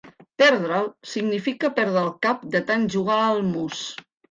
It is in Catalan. Perdre'l significa perdre el cap de tant jugar al mus.